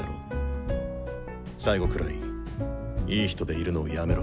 最後くらいいい人でいるのをやめろ。